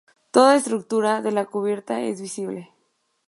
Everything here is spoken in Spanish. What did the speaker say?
Toda la estructura de la cubierta es visible.